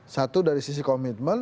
satu dari sisi komitmen